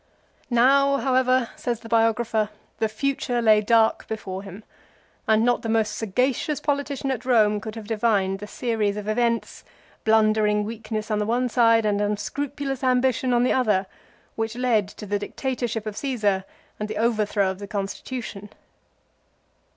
" Now, however," says the biographer, " the future lay dark before him ; and not the most sagacious politician at Rome could have divined the series of events, blundering weakness on the one side and unscrupulous ambition on the other, which led to the dictatorship of Caesar and the overthrow of the constitution."